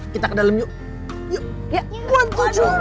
kita ke dalam yuk yuk